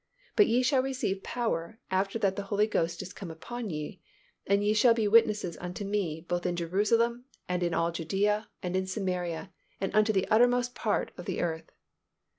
But ye shall receive power after that the Holy Ghost is come upon you: and ye shall be witnesses unto Me, both in Jerusalem, and in all Judea, and in Samaria, and unto the uttermost part of the earth."